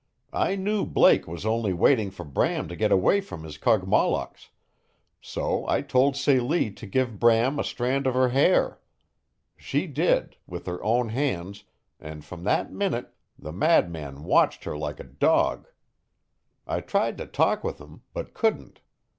I knew Blake was only waiting for Bram to get away from his Kogmollocks so I told Celie to give Bram a strand of her hair. She did with her own hands, and from that minute the madman watched her like a dog. I tried to talk with him, but couldn't.